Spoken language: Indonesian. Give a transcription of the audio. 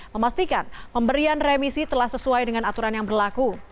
memastikan pemberian remisi telah sesuai dengan aturan yang berlaku